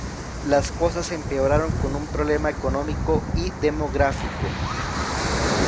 Las cosas empeoraron con un problema económico y demográfico.